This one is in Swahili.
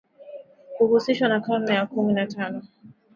huhusishwa na karne ya kumi na tano